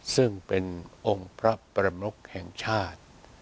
ซึ่งเป็นองค์พระประมกแห่งชาติ